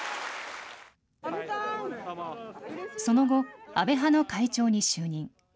その後、安倍派の会長に就任。